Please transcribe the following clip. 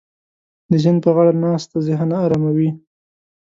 د سیند په غاړه ناسته ذهن اراموي.